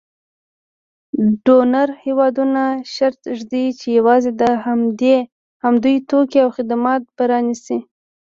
ډونر هېوادونه شرط ږدي چې یوازې د همدوی توکي او خدمات به رانیسي.